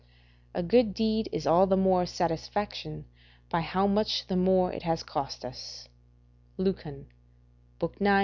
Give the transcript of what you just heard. ["A good deed is all the more a satisfaction by how much the more it has cost us" Lucan, ix.